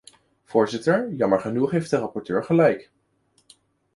Voorzitter, jammer genoeg heeft de rapporteur gelijk.